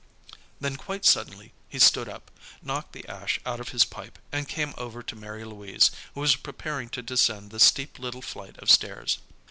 Then, quite suddenly, he stood up, knocked the ash out of his pipe, and came over to Mary Louise, who was preparing to descend the steep little flight of stairs.